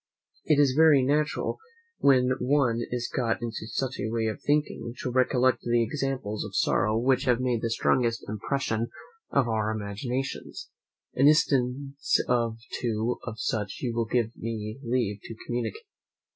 It is very natural, when one is got into such a way of thinking, to recollect these examples of sorrow which have made the strongest impression upon our imaginations. An instance or two of such you will give me leave to communicate.